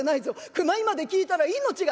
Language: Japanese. ９枚まで聞いたら命が」。